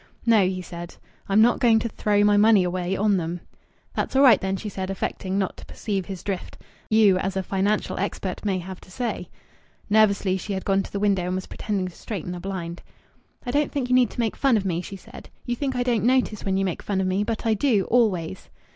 "No," he said, "I'm not going to 'throw my money away' on them." "That's all right, then," she said, affecting not to perceive his drift. "I thought you were." "But I propose to put my money into them, subject to anything you, as a financial expert, may have to say." Nervously she had gone to the window and was pretending to straighten a blind. "I don't think you need to make fun of me," she said. "You think I don't notice when you make fun of me. But I do always."